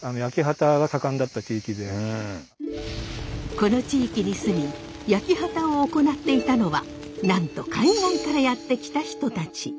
この地域に住み焼畑を行っていたのはなんと海外からやって来た人たち。